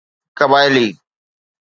قبائلي